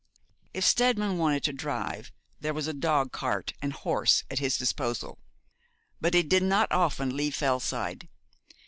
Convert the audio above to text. If Steadman wanted to drive, there was a dogcart and horse at his disposal; but he did not often leave Fellside.